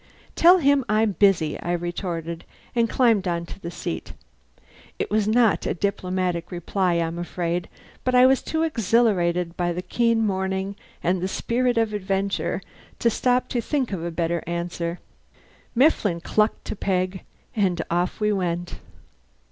"Tell him I'm busy," I retorted, and climbed onto the seat. It was not a diplomatic reply, I'm afraid, but I was too exhilarated by the keen morning and the spirit of adventure to stop to think of a better answer. Mifflin clucked to Peg, and off we went.